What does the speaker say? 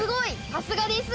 さすがです。